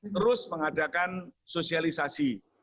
terus mengadakan sosialisasi